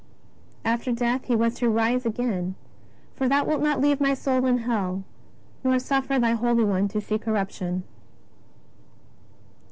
§ After death He was to rise again :" For Thou wilt not leave my soul in hell, nor suffer Thy Holy One to see corruption."